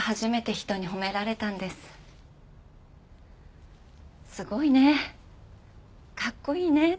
「すごいね」「かっこいいね」って。